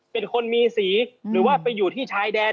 เป็นคนมีสีหรือว่าไปอยู่ที่ชายแดน